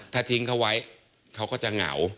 ถ้าทิ้งเขาไว้เขาก็จะเหงา